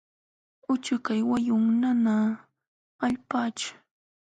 Uchukaq wayun yana allpaćhu.